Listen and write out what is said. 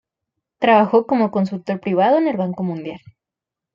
Trabajó como consultor privado en el Banco Mundial.